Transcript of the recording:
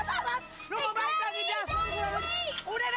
udah deh nggak usah mikirin